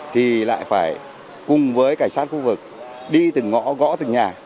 thì lại phải cùng với cảnh sát khu vực đi từng ngõ gõ từng nhà